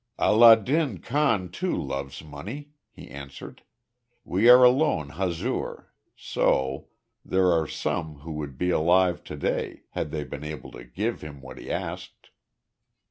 "Allah din Khan too, loves money," he answered. "We are alone Hazur, so there are some who would be alive to day had they been able to give him what he asked."